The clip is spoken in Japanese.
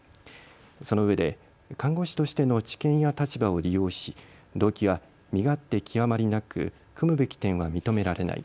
そのうえで看護師としての知見や立場を利用し動機は身勝手極まりなくくむべき点は認められない。